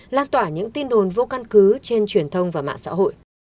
lan tỏa những tin đồn vô căn cứ trên truyền thông và mạng xã hội